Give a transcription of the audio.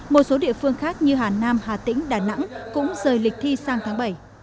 một số địa phương khác như hà nam hà tĩnh đà nẵng cũng rời lịch thi sang tháng bảy